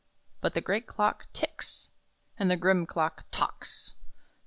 But the great clock TICKS! And the grim clock TOCKS!